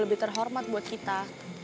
lebih terhormat buat kita